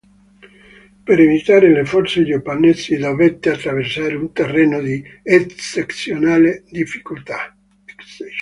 Per evitare le forze giapponesi dovette attraversare un terreno di eccezionale difficoltà.